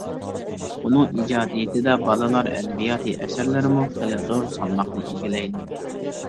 ئۇنىڭ ئىجادىيىتىدە بالىلار ئەدەبىياتى ئەسەرلىرىمۇ خېلى زور سالماقنى ئىگىلەيدۇ.